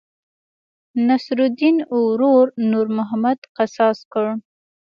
نصرالیدن ورور نور محمد قصاص کړ.